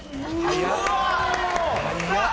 早っ！